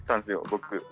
僕。